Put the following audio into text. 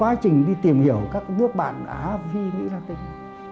trong cái quá trình đi tìm hiểu các nước bạn á phi mỹ la tinh